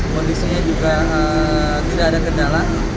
kondisinya juga tidak ada kendala